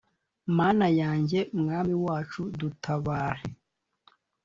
mana yanjye, mwami wacu, dutabaare